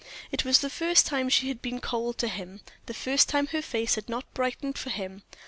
It was the first time she had been cold to him, the first time her face had not brightened for him.